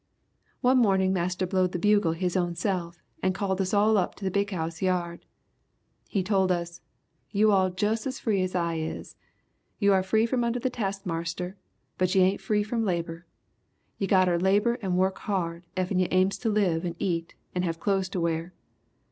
"One mornin' Marster blowed the bugle his own self and called us all up to the big 'ouse yard. He told us: 'You all jus' as free as I is. You are free from under the taskmarster but you ain't free from labor. You gotter labor and wuk hard effen you aims to live and eet and have clothes to wear.